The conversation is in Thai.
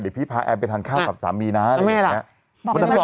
เดี๋ยวพี่พาแอนไปทานข้าวกับสามีนะอะไรอย่างนี้